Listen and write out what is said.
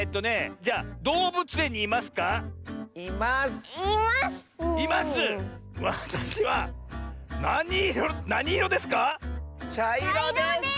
ちゃいろです。